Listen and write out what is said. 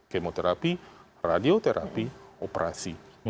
kemoterapi radioterapi operasi